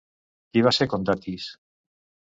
Qui va ser Condatis?